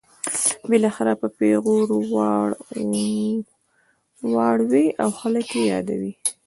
بالاخره په پیغور واړوي او خلک یې یادوي.